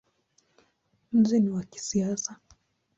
Mji ni wa kisasa.